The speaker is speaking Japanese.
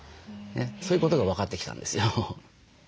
そういうことが分かってきたんですよ。